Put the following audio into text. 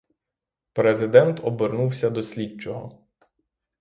Президент обернувся до слідчого.